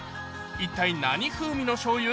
一体何風味の醤油？